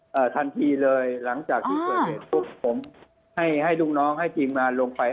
อ่าทันทีเลยหลังจากที่เฮทปุ๊บผมให้ลูกน้องให้จีงมาลงไฟ